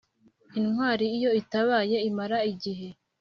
intwari iyo itabaye imara igihe,